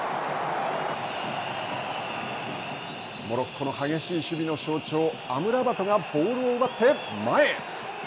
モロッコの激しい守備の象徴アムラバトがボールを奪って前へ。